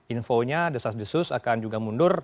infonya desas desus akan juga mundur